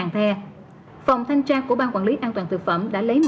để đưa đi kiểm nghiệm